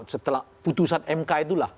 setelah putusan mk itulah